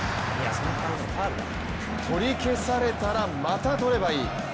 取り消されたら、また取ればいい。